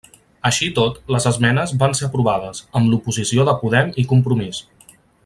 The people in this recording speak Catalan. Així i tot, les esmenes van ser aprovades, amb l'oposició de Podem i Compromís.